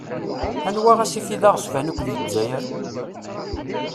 Anwa asif i d aɣezzfan akk di Lezzayer?